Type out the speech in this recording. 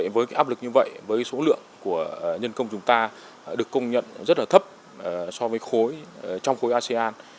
với cái áp lực như vậy với số lượng của nhân công chúng ta được công nhận rất là thấp so với khối trong khối asean